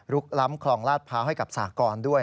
รุกล้ำคลองลาดเภาให้กับสากรด้วย